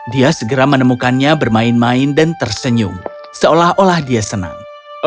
dia segera menemukannya bermain main dan tersenyum seolah olah dia senang